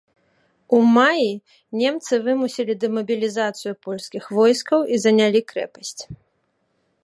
У маі немцы вымусілі дэмабілізацыю польскіх войскаў і занялі крэпасць.